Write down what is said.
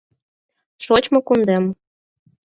Шочмо кундем…